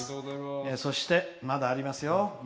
そして、まだありますよ。